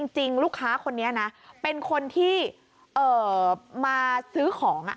จริงลูกค้าคนนี้นะเป็นคนที่มาซื้อของ